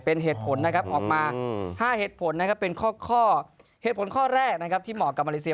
เป็นเหตุผลนะครับออกมา๕เหตุผลนะครับเป็นข้อเหตุผลข้อแรกนะครับที่เหมาะกับมาเลเซีย